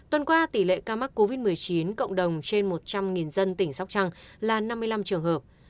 tuần qua tỷ lệ ca mắc covid một mươi chín cộng đồng trên một trăm linh dân tỉnh sóc trăng là năm mươi năm trường hợp